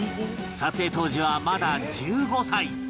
撮影当時はまだ１５歳